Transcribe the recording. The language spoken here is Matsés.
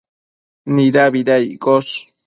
Nidabida iccosh?